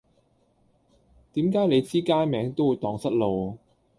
點解你知街名都會盪失路